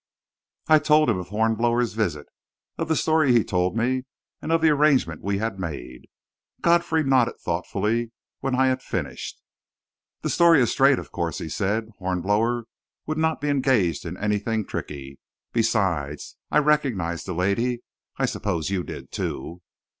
I told him of Hornblower's visit, of the story he told me, and of the arrangement we had made. Godfrey nodded thoughtfully when I had finished. "The story is straight, of course," he said. "Hornblower would not be engaged in anything tricky. Besides, I recognised the lady. I suppose you did, too."